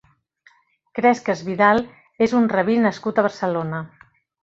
Cresques Vidal és un rabí nascut a Barcelona.